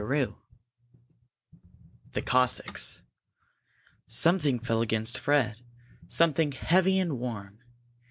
CHAPTER XI THE COSSACKS Something fell against Fred, something heavy and warm.